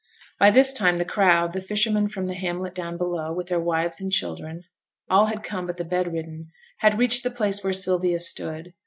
By this time, the crowd the fishermen from the hamlet down below, with their wives and children all had come but the bedridden had reached the place where Sylvia stood.